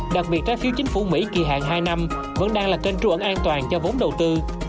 đặc biệt trái phiếu chính phủ mỹ kỳ hạn hai năm vẫn đang là kênh trụ ẩn an toàn cho vốn đầu tư